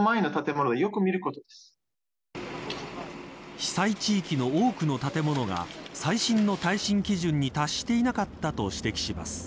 被災地域の多くの建物が最新の耐震基準に達していなかったと指摘します。